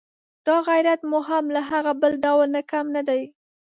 دا غیرت مو هم له هغه بل ډول نه کم نه دی.